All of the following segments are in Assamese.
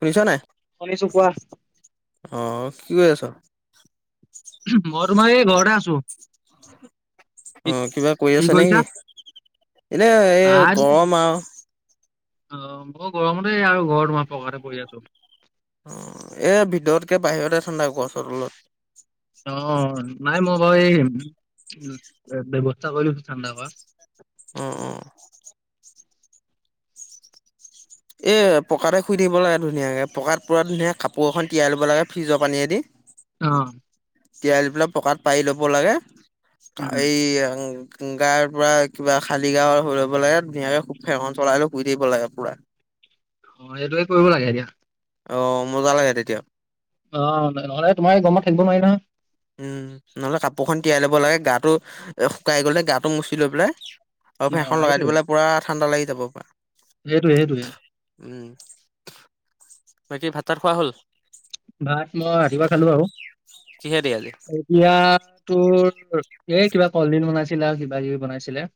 শুনিছ নাই? শুনিছো কোৱা। অ', কি কৰি আছ? মই তোমাৰ এই ঘৰতে আছো। কি অ', কিবা কৰি কি আছা কৰিছা? নেকি? এনেই এই নাই গৰম আৰু। অ মই গৰমতেই আৰু ঘৰত তোমাৰ পকাতে পৰি আছো। অ, এ ভিতৰতকে বাহিৰতে ঠান্ডা গছৰ তলত। অ নাই মই বাৰু এই ব্যৱস্থা কৰি লৈছো ঠাণ্ডা কৰা। অ অ। এই পকাতে শুই থাকিব লাগে ধুনীয়াকৈ, পকাত পূৰা ধুনীয়াকৈ কাপোৰ এখন তিয়াই ল'ব লাগে ফ্ৰিজৰ পানীয়েদি। অ। তিয়াই লৈ পেলাই পকাত পাৰি ল'ব লাগে উম, এই গাৰ পৰা কিবা খালী গা হৈ ল'ব লাগে ধুনীয়াকে খুব ফেনখন চলাই লৈ শুই থাকিব লাগে পুৰা। অ সেইটোৱে কৰিব লাগে এতিয়া। অঁ মজা লাগে তেতিয়া। অঁ নহলে এ তোমাৰ গৰমত থাকিব নোৱাৰি নহয়। উম নহ'লে কাপোৰখন তিয়াই ল'ব লাগে গাটো শুকাই গ'লে গাটো মুচি লৈ পেলাই আৰু অ' ফেনখন লগাই দিব সেইটোৱে লাগে পুৰা ঠাণ্ডা লাগি যাব পুৰা। সেইটোৱে সেইটোৱে। উম, বাকী ভাত চাত খোৱা হ'ল? ভাত মই ৰাতিপুৱা খালো আৰু। কি হে দি আজি? এতিয়া তোৰ এ কিবা কলডিল বনাইছিলে আৰু কিবা কিবি বনাইছিলে।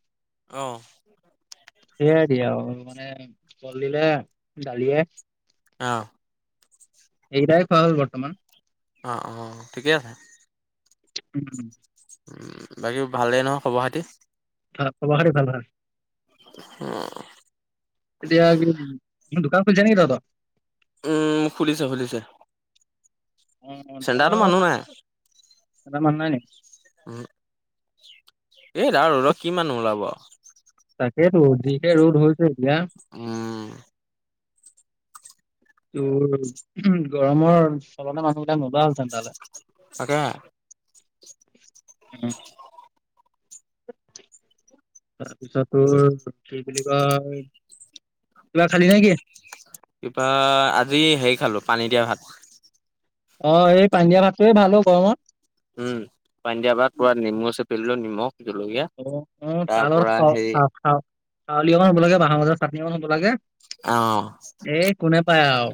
অঁহ। [inaudible] সেয়াই দি আৰু মানে কলডিলে দালিয়ে। অঁহ। এইকিটাই খোৱা হ'ল বৰ্তমান। অ অ ঠিকে আছে। [inaudible] উম বাকী ভালেই নহয় খবৰ খাতি? আ খবৰ খাতি ভাল ভাল। এতিয়া কি দোকান খুলিছে নেকি তহঁতৰ? উম খুলিছে খুলিছে। অ', চেন্টাৰতো দোকানত মানুহ নাই এটা মানুহ নাই নি? উম। এইদাল ৰ'দত কি মানুহ ওলাব আও। তাকেইতো যিহে ৰ'দ হৈছে ইয়াত। উম। [inaudible] তোৰ গৰমৰ চলতে মানুহবিলাক নোযোৱা হল চেন্টাৰলে। সঁচাকে। উম [inaudible] তাৰপিছত তোৰ কি বুলি কয় কিবা খালি নে কি? কিবা আজি হেৰি খালো পানী দিয়া ভাত। অ এই পানি দিয়া ভাতটোৱে ভাল অ গৰমত। উম পানী দিয়া ভাত পুৰা নেমু চেপি ললো নিমখ জলকীয়া অ অ তাৰ লগত পৰা স হেৰি সা সা সাৰলি অকণ হ'ব লাগে, বাহ গাজৰ চাটনি অকণ হ'ব লাগে। অহ এ কোনে পায় আৰু।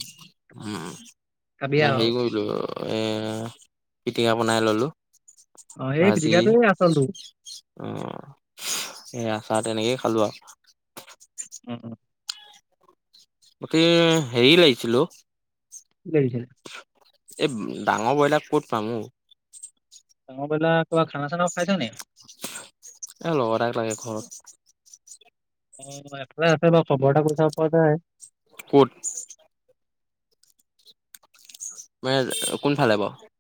উম, খাবি এ আৰু। হেৰি কৰিলো এ, পিটিকা বনাই ললো। অ', এই ভাজি পিটিকাটোৱেই আচলটো। অ', সেয়া খা তেনেকেই খালো আৰু। উম, উম। গোটে হেৰি লাগিছিল অ'। কি লাগিছিল? এ ডাঙৰ ব্ৰইলাৰ ক'ত পাম অ'? ডাঙৰ ব্ৰইলাৰ, কিবা খানা চানাও খাইছ নি? এ লগৰ এটাক লাগে ঘৰত। অ', এফালে আছে বাৰু খবৰ এটা কৰি চাব পৰা যায়। ক'ত? মানে কোনফালে বাৰু?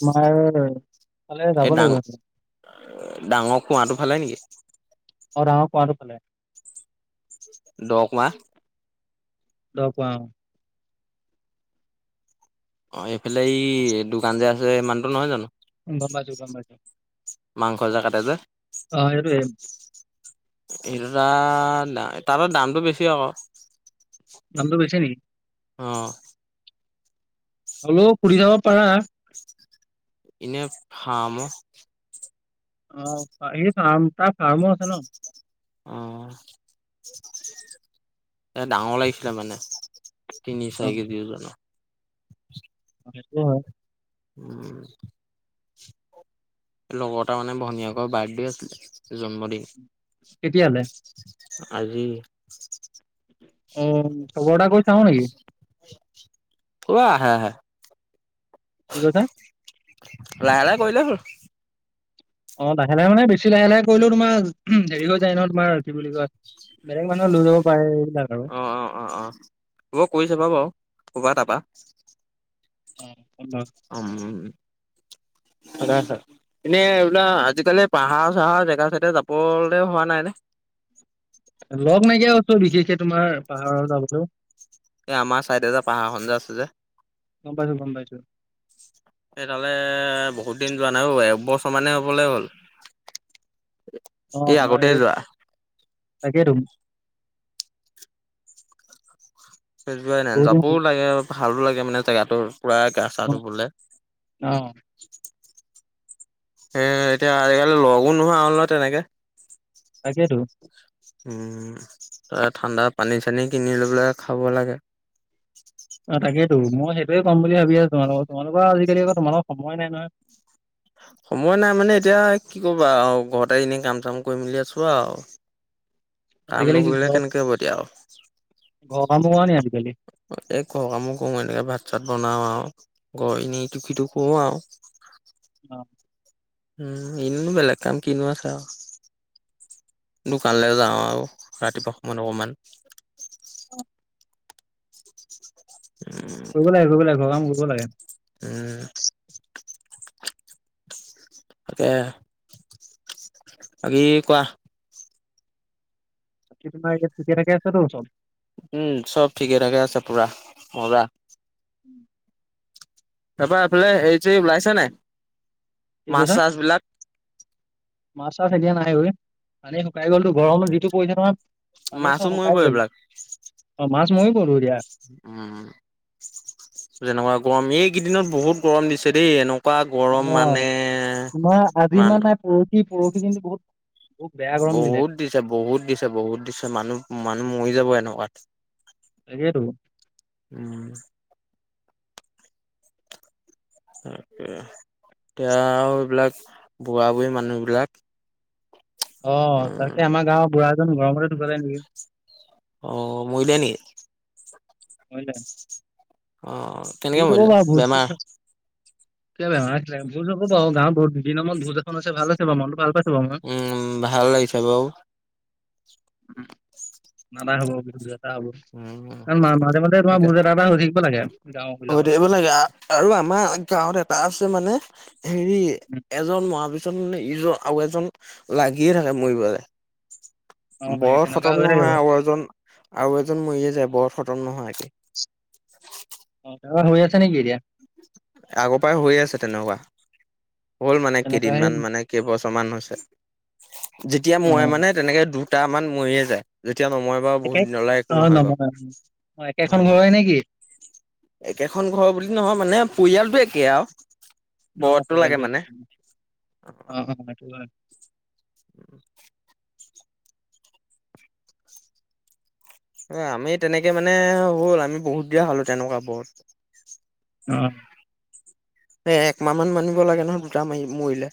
তোমাৰ ফালে যাব এই ডাঙ, লাগিব আৰু। ডাঙৰ কুৱাঁটোৰ ফালে নেকি? অ', ডাঙৰ কুৱাঁটোৰ ফালে। দ' কুৱাঁ‌? দ' কুৱাঁ‌ অ'। অ', এইফালে এই দোকান যে আছে মানুহটো নহয় জানো? গম পাইছো, গম পাইছো। মাংস যে কাটে যে? অ', সেইটোৱে। [unintelligible] তাৰ তাত দামটো বেছি আকৌ। দামটো বেছি নেকি? অ'। হলেও শুধি চাব পাৰা। এনে ফাৰ্ম? অ', এই ফাৰ্ম তাৰ ফাৰ্মো আছে ন'। অ', এয়া ডাঙৰ লাগিছিলে মানে। তিনি অ চাৰি কেজি ওজনৰ। সেইটোও হয়। উম,। লগৰ এতাৰ মানে ভনীয়েকৰ বাৰ্থডে আছিলে, জন্মদিন। কেতিয়ালে? আজি। [unintelligible] অ', খবৰ এটা কৰি চাওঁ নেকি? কৰা আহা আহা। কি কৈছা? লাহে লাহে কৰিলে হ'ল। অ', লাহে লাহে মানে বেছি লাহে লাহে কৰিলেও তোমাৰ হেৰি হৈ যায় নহয় তোমাৰ বুলি কয় বেলেগ মানুহে লৈ ল'ব পাৰে, এইবিলাক আৰু। অ', অ', অ', অ', হ'ব কৰি চাবা বাৰু বাৰু ক'ৰবা তাৰপৰা। অ'। লগ উম, ভালে আছা? এনেই এইবিলা আজিকালি পাহাৰ চাহাৰ জেগা চাইডে যাবলে হোৱা নাই নে? লগ নাইকিয়া হৈছে বিশেষকে তোমাৰ পাহাৰ যাবলৈও? এই আমাৰ ছাইড এ যে পাহাৰখন যে আছে যে গ'ম পাইছো, গ'ম পাইছো। এই তালে বহুত দিন যোৱা নাই একবছৰমানেই হ'বলৈ হ'ল? অ' মই আগতে এই যোৱা তাকেই তোম চযোৱাই নাই, বহুত দিন যাবও লাগে ভালো লাগে মানে জেগাটো পুৰা গা চা টো হ'ল। ধুবলে। অ'। এ এতিয়া আজিকালি লগো নোহোৱা হ'ল নহয় তেনেকে? তাকেটো। উম, ত ঠাণ্ডা পানী চানী কিনি লৈ পেলাই খাব লাগে। অ' তাকেতো মই সেইটোয়ে কম বুলি ভাবি আছো, তোমোকৰ তোমালোকৰ আজিকালি আ তোমালোক সময় নাই নহয়। সময় নাই মানে এতিয়া কি কৰিবা আৰু, ঘৰতে এনেই কাম চাম কৰি মেলি আছো আৰু। কাম আজিকালি কি নকৰিলে ঘৰ কেনেকে হ'ব এতিয়া আৰু? ঘৰৰ কামো কৰা নি আজিকালি এই ঘৰৰ কামো কৰো এনেকে ভাত চাত বনাওঁ আৰু, ঘ নি ইটু খিটো কৰো আৰু। অ'। উম, ইনুনো বেলেগ কাম কিনো আছে আৰু। দোকানলৈ যাওঁ আৰু ৰাতিপুৱা সময় অকমান। অ'। কৰিব লাগে, কৰিব লাগে, ঘৰৰ কাম কৰিব লাগে। উম। তাকে, বাকী কোৱা? এতিয়া তোমাৰ, ঠিকে থাকে আছে টো চব? উম, চব ঠিকে থাকে আছে পুৰা মজা। উম। বেপাৰ এইফালে হেৰি চেৰী ওলাইছে নাই? কি মাছ কথা? চাছ বিলাক মাছ-চাছ এতিয়া নাই ঐ, পানী শুকাই গ'লটো, গৰম যিটো পৰিছে নহয়। পানী মাছো চব সুকাই মৰিব গ'ল, এইবিলাক অ' মাছ মৰিবটো এতিয়া। উম, যেনেকুৱা গৰম এইকেইদিনত বহুত গৰম দিছে দেই, এনে কুৱা গৰম অ', মানে তোমাৰ আজি ইমান নাই মানু পৰহি পৰহি কিন্তু বহুত বহুত বেয়া গৰম দিলে বহুত দিছে বহুত দিছে বহুত দিছে মানুহ মানুহ মৰি যাব এনেকুৱাত। তাকেটো। উম। তাকে, এতিয়া আৰু এইবিলাক বুঢ়া-বুঢ়ী মানুহবিলাক অ' তাকে আমাৰ গাঁৱৰ বুঢ়া এজন গৰমতে ঢুকালে নেকি? অ' মৰিলে নেকি? হয় দে। অ'। কেনেকে মৰিলে বেমাৰ [unintelligible] কিয় বেয়া পাম, ভোজ হবটো আৰু, গাওঁত বহু দিনৰ মুৰত ভোজ এখন হৈছে, ভাল হৈছে বাৰু মনত ভাল পাইছোঁ বাৰু মই। উম, ভাল লাগিছে বাৰু। উম আমাৰ হ'ব [inaudible] খাব, উম মাজে মাজে তোমাৰ তাকে ভোজ এটা এটা হৈ থাকিব লাগে। গাঁও হৈ বিলাকত। থাকিব লাগে আৰু, আমাৰ গাঁৱত এটা আছে মানে হেৰি এজন মহাবি ছত মানে ইজন আৰু এজন লাগিয়ে থাকে মৰিবলে। অ সেই বৰত তেনেকুৱা খতম হৈ থাকে নহয় বাৰু আৰু এজন, আৰু এজন মৰিয়ে যায়, বৰত খতম নোহোৱাকে। অ' কাৰবাৰ হৈ আছে নেকি এতিয়া। আগৰ পাই হৈয়ে আছে তেনেকুৱা। হ'ল মানে তেনেকুৱা সেই কেইদিনমান মানে কেইবছৰ মান হৈছে। যেতিয়া অ মই মানে তেনেকে দু দুটামান মৰিয়ে যায। যেতিয়া নমৰে বাৰু বহুত একে দিনলে একো নহয় বাৰু, অ একেখন উম। ঘৰৰে নেকি একেখন ঘৰ বুলি নহয় মানে, পৰিয়ালটো একে আৰু। অ' বৰতটো লাগে পৰিয়ালটো মানে একে, অ', অ' সেইটো হয়। উম। এ আমি তেনেকে মানে, হ'ল আমি বহুত দিয়া হ'লো তেনেকুৱা বৰত। অহ'। এ একমাহমান মানিব লাগে নহয়, দুটা মাৰি মৰিলে।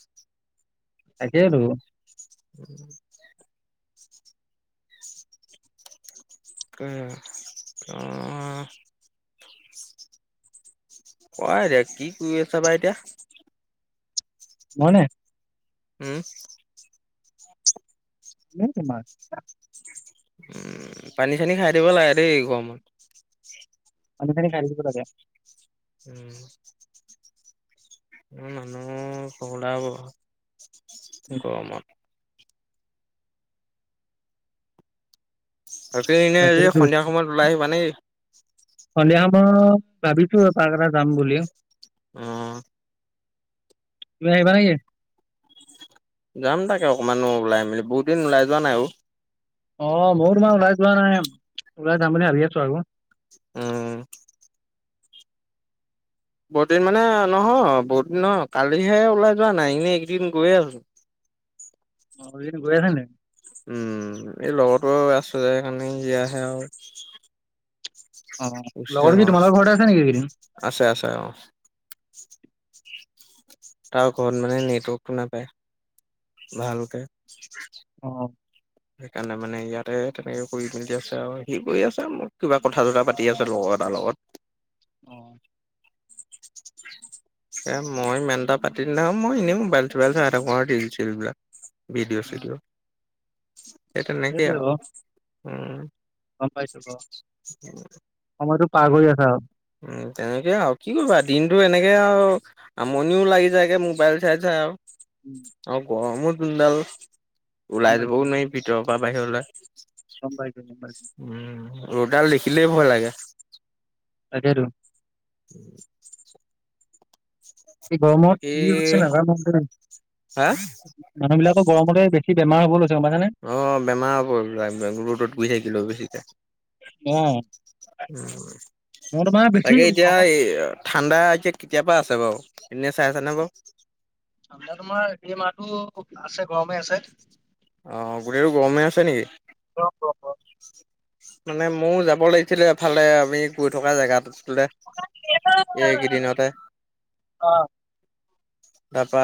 তাকেই টো। [unintelligible] তাকে অহ'। কৰাই দে, কি কৰি আছা বাহ এতিয়া। মই নে। উম। [unintelligible] উম পানী-চানী খাই থাকিব লাগে দেই গৰমত। পানী-চানি খাই থাকিব লাগে। উম- ম মানুহো পগলা হ'ব ঘৰত উম, গৰমত মত। বাকী আজি এনে এই তাকেইতো সন্ধিয়া সময়ত ওলাই আহিবা নে কি। সন্ধিয়া সময়ত ভাবিছো, পাক এটা যাম বুলি। উম। তুমি আহিবা নে কি। যাম তাকে অকণমান ওলাই মেলি, বহুত দিন ওলাই যোৱা নাই অ' অ' ময় তোমাৰ ওলাই যোৱা নাই ওলাই যাম বুলি ভাবি আছো আৰো উম। বহুত দিন মানে নহয় বহুত দিন নহ কালিহে ওলাই যোৱা নাই এনেই এইকেইদিন গৈয়ে আছো। অ গৈ আছা নি? উম' এই লগতো আছো যে সেইকাৰণে সি আহে আৰু- অ' গুচি লগৰ যাম কি আৰু তোমাল ঘৰৰত আছে নেকি এয়গিদিন আছে, আছে অ'। তাৰ ঘৰত মানে নেটৱৰ্কটো নাপায়, ভালকে। অ'। সেইকাৰণে মানে ইয়াতে তেনেকৈ কৰি মেলি আছে আৰু হি কৰি আছে কিবা কথা চথা পাতি আছে লগৰ এটাৰ লগত। অ'। এ মই ইমান এটা পাতি নাথাকোঁ মই এনেই মবাইল চোবাইল চাই থাকোঁ আৰু ৰিল চিল বিলাক ভিঅ' চিডিঅ'- সেই তেনেকৈ সেইটোৱে আৰু বাৰু উম- গম পাইছো বাৰু। সময়তটো পাৰ কৰি আছা আৰু। উ তেনেকে আৰু কি কৰিবা দিনতো এনেকে আৰু- আমনিও লাগি যায় কে মোবাইল চাই চাই আৰু [unintelligible] অ গৰমো যোনডাল গম ওলাই পাইছো, যাবও নোৱাৰি। ভিতৰৰ পৰা বাহিৰলৈ গম পাইছোঁ গম পাইছোঁ। উম ৰ'দডাল দেখিলেই ভয় লাগে তাকেই তো [unintelligible] এই গৰমত বাকী কি হৈছে নাজানো দেই হা মানুহ বিলাকৰ গৰমতে বে কি বেমাৰ হ'ব লৈছে গম পাইছাঁ নাই। অ বেমাৰ [inaudible] [inaudible] বেছিকে অ' উ মই তোমাৰ বেছি তাকে এতিয়া গৰমত এই ঠাণ্ডা এতিয়া কেতিয়াপা আছে বাৰু এনেই চাই আছানে বাৰু ঠাণ্ডা তোমাৰ এই মাহটো আছে গৰমে আছে। অ গোটেইটো গৰমে আছে নেকি? গৰম গৰম গৰম। মানে মইয়ো যাব লাগিছিলে এফালে আমি গৈ থকা জেগা তোলে। এই কিদিনতে অ' তাৰপা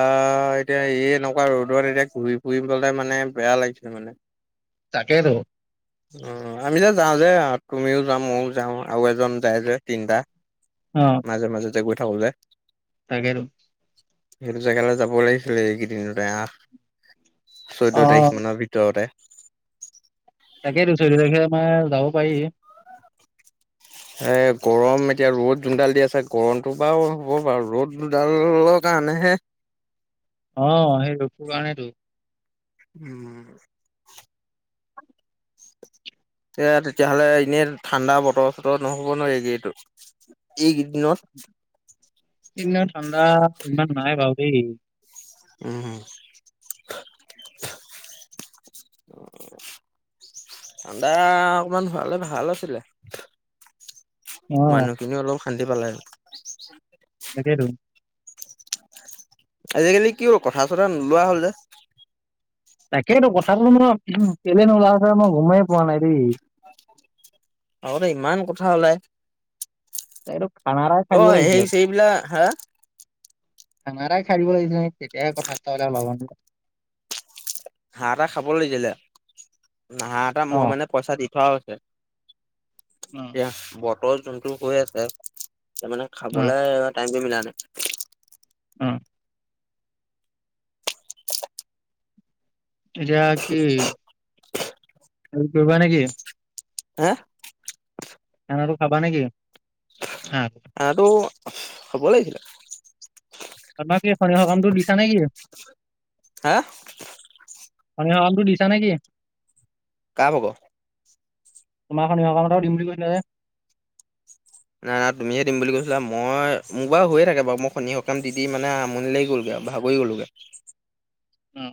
এতিয়া এই এনেকুৱা ৰ'দত এতিয়া ঘূৰি ফুৰিবলে মানে বেয়া লাগিছে মানে। তাকেইতো। অ আমি যে যাওঁ যে তুমিও যাওঁ মইও যাওঁ আৰু এজন যায় যে তিনটা। অঁ মাজে মাজেতে গৈ থাকো যে তাকেই তো সেইটো জেগালৈ যাব লাগিছিলে, এইকেইদিনতে আঠ চৈধ্য তাৰিখ অ' মানৰ ভিতৰতে তাকেই তো চৈধ্য তাৰিখে আমাৰ যাব পাৰি। এই গৰম এতিয়া ৰ'দ জোনডাল দি আছে গৰমটো বাৰু হ'ব বাৰু ৰ'দ জোনডালত- কাৰণেহে অ সেই ৰদ কাৰণেহে টো উম- এয়া তেতিয়াহ'লে এনেই ঠাণ্ডা বতৰ চতৰ নহ'ব নোৱাৰি এইৰিয়াটো যি কিদিনত। সেইদিনত ঠাণ্ডা ইমান নাই বাৰু দেই। উম। ঠাণ্ডা অকমান হোৱালে ভাল আছিলে। অ', মানুহখিনিও অলপ শান্তি পালে। তাকেইটো। আজিকালি কি হ'ল কথা চথা নোলোৱা হ'ল যে। তাকেইটো কথাটো মানে কেলে নোলাই মই গমেই পোৱা নাই দেই। আগতে ইমান কথা ওলাই। এইটো খানা এটা খোৱাই অ দিব লাগিছিলে। সেই সেইবিলাক হা খানা এটা খাই দিব লাগি ন তেতিয়াহে কথা চথা অলপ ওলাব। হাঁহ এটা খাব লাগছিলে হাঁহ এটা মই অ'। মানে পইচা দি থোৱা হৈছে। অ', এয়া বতৰ যোনটো হৈ আছে, তাৰমানানে অ', খাবলে টাইমটো মিলাই লম। উম। এতিয়া কি হেৰি কৰিবিবা নেকি। হা। খানাটো খাবা নেকি খাম। খানা টো খাব লাগিছিলে। খানা কি অথনি হোৱা কামতো দিছা নেকি? হা। খনিকৰ কামতো দিছা নেকি কা ভাগ তোমাৰ খনকৰ কাম এটা দিম কৈছিলে যে। নাই না তুমিহে দিম বুলি কৈছিলা মই মোক বাৰু হৈয়ে থাকে বাৰু মই সনি কাম দি মানে আমনি লাগি গ'লগৈ আৰু। ভাগৰি গ'লগে। উমঁ।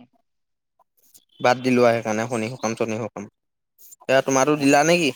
বাদ দিলো আও সেইকাৰণে সনি কাম চনিহ কাম তোমাৰতো অ দিলা নেকি।